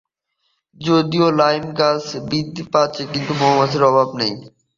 যদিও লাইম গাছ বৃদ্ধি পাচ্ছে কিন্তু মৌমাছির কোনো অভাব নেই।